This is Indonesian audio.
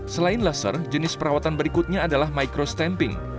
selain laser jenis perawatan berikutnya adalah microstamping